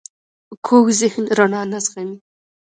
کوږ ذهن رڼا نه زغمي